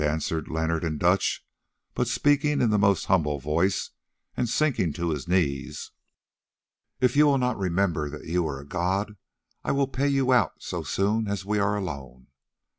answered Leonard in Dutch, but speaking in the most humble voice, and sinking to his knees. "If you will not remember that you are a god, I will pay you out so soon as we are alone.